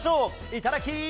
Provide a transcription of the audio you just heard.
いただき！